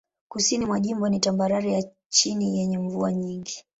Kusini mwa jimbo ni tambarare ya chini yenye mvua nyingi.